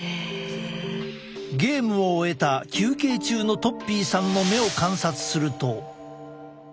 ゲームを終えた休憩中のとっぴーさんの目を観察すると。